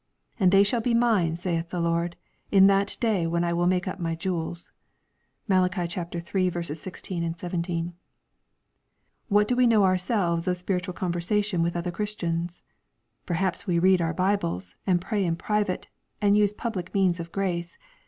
And they shall be mine saith the Lord, in that day when I make up ray jewels.'' (Mai. iii. 16, 17.) What do we know ourselves of spritual conversation with other Christians ? Perhaps we read our Bibles, and pray in private, and use public means of grace.